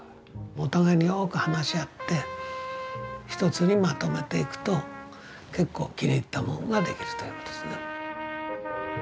お互いによく話し合って一つにまとめていくと結構気に入ったもんができるということですな。